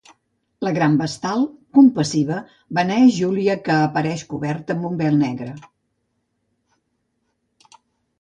La Gran Vestal, compassiva, beneeix Júlia, que apareix coberta amb un vel negre.